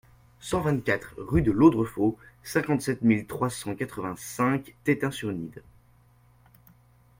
cent vingt-quatre rue de Laudrefang, cinquante-sept mille trois cent quatre-vingt-cinq Teting-sur-Nied